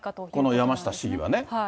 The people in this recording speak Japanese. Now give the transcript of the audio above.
この山下市議はね。